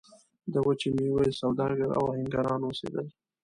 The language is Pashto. د وچې میوې سوداګر او اهنګران اوسېدل.